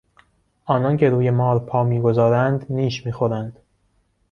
آنان که روی مار پا میگذارند نیش میخورند.